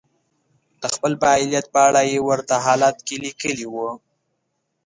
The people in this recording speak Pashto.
د خپل فعاليت په اړه يې په ورته حالت کې ليکلي وو.